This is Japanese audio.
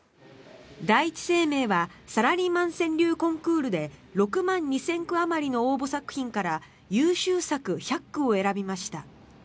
第一生命はサラリーマン川柳コンクールで６万２０００句あまりの応募作品から優秀作１００句を選びました。